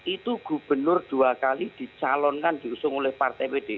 itu gubernur dua kali dicalonkan diusung oleh partai pdi